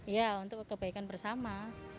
iya untuk kebaikan bersama